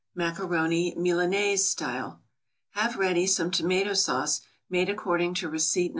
=Macaroni Milanaise style.= Have ready some tomato sauce, made according to receipt No.